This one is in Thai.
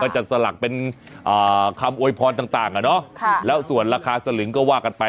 ก็จะสลักเป็นอ่าคำโอยพรต่างต่างอะเนอะค่ะแล้วส่วนราคาสลึงก็ว่ากันไป